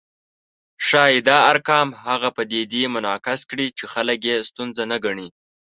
ښايي دا ارقام هغه پدیدې منعکس کړي چې خلک یې ستونزه نه ګڼي